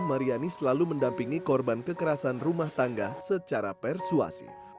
mariani selalu mendampingi korban kekerasan rumah tangga secara persuasif